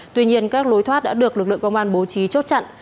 tuy nhiên các lối thoát đã được lực lượng công an bố trí chốt chặn